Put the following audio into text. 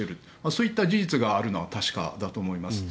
そういった事実があるのは確かだと思います。